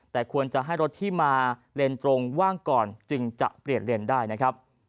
แต่ควรจะให้รถที่มาเลนตรงว่างก่อนจึงจะเปลี่ยนเลนได้นะครับ